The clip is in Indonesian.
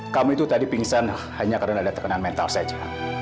kamu itu tadi pingsan hanya karena ada tekanan mental saja